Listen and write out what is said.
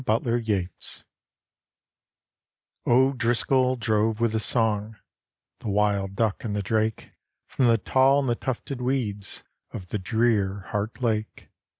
butlbr ybats O'Driscoll drove with a song, The wild duck and the drake From the tall and the tufted weeds Ol the drear Heart Lake.